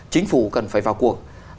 chính phủ cần phải vào cuộc